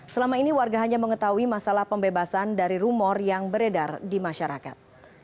selama ini warga hanya mengetahui masalah pembebasan dari rumor yang beredar di masyarakat